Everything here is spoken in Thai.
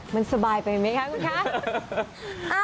มันสบายไปไหมคะคุณคะ